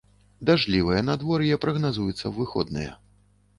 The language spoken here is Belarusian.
Дажджлівае надвор'е прагназуецца і ў выходныя.